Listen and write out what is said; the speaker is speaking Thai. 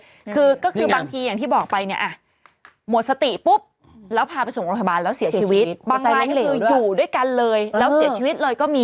ก็คือบางทีอย่างที่บอกไปอะหมดสติปุ๊บแล้วพาไปสงครโภธาบาลแล้วเสียชีวิต